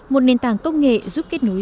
một nền tảng công nghệ giúp kết nối